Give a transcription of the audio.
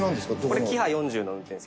これキハ４０の運転席。